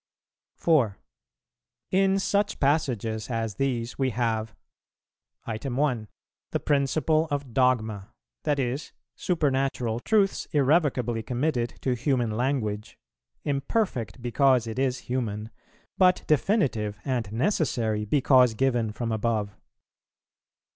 4. In such passages as these we have 1. The principle of dogma, that is, supernatural truths irrevocably committed to human language, imperfect because it is human, but definitive and necessary because given from above.